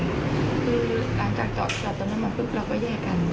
คือหลังจากจอดตัวน้ำมันเราก็แยกกัน